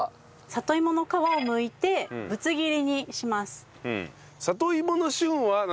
里芋の皮をむいてぶつ切りにします。